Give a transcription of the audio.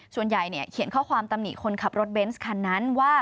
ส่วนใหญ่เขียนข้อความตำหนิคนขับรถเบนส์คันนั้นว่า